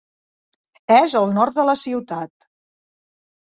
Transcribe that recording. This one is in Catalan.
És al nord de la ciutat.